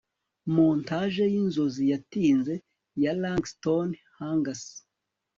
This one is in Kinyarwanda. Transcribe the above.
montage yinzozi yatinze ya langston hughes